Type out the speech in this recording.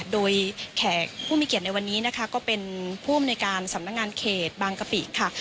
โดยแขกผู้มีเกียรติในวันนี้นะคะก็เป็นผู้อำนวยการสำนักงานเขตบางกะปิค่ะ